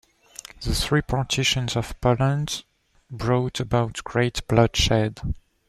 The three partitions of Poland brought about great bloodshed.